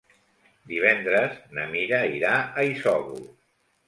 Divendres na Mira irà a Isòvol.